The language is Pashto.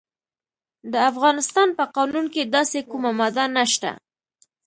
د افغانستان په قانون کې داسې کومه ماده نشته.